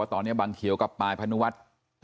แล้วตอนนี้บางเงียวกลับไปพนุษย์